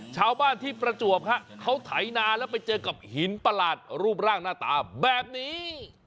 ชาวบ้านที่ประจวบฮะเขาไถนาแล้วไปเจอกับหินประหลาดรูปร่างหน้าตาแบบนี้